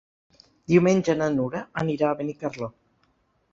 Diumenge na Nura anirà a Benicarló.